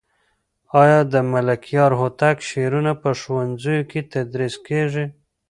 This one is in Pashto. آیا د ملکیار هوتک شعرونه په ښوونځیو کې تدریس کېږي؟